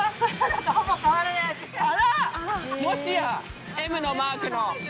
あらもしや「Ｍ」のマークの。